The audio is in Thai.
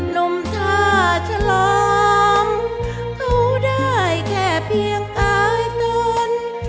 นมทาชลอมเข้าได้แค่เพียงกายตน